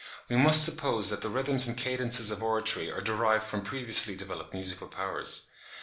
We must suppose that the rhythms and cadences of oratory are derived from previously developed musical powers.